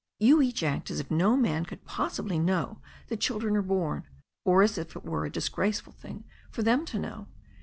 You each act as if no man could possibly know that children are born, or as if it were a disgraceful thing for them to know.